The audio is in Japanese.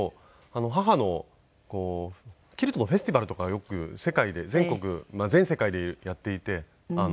母のキルトのフェスティバルとかよく世界で全国全世界でやっていて。